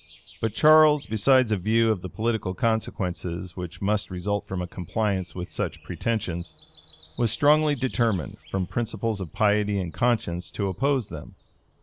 But Charles, besides a view of the political consequences which must result from a compliance with such pretensions, was strongly determined, from principles of piety and conscience, to oppose them.